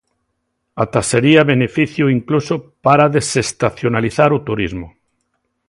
Até sería beneficio incluso para desestacionalizar o turismo.